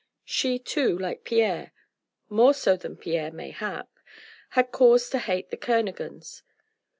She, too, like Pierre more so than Pierre mayhap had cause to hate the Kernogans.